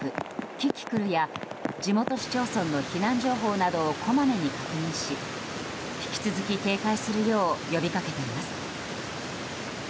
キキクルや地元市町村の避難情報をなどをこまめに確認し引き続き警戒するよう呼びかけています。